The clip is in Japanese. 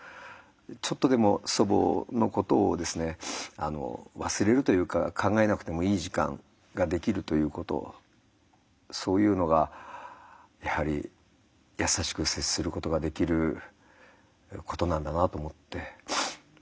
ちょっとでも祖母のことをですね忘れるというか考えなくてもいい時間ができるということそういうのがやはり優しく接することができることなんだなと思って。